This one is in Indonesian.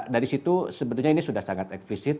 dari situ sebetulnya ini sudah sangat eksplisit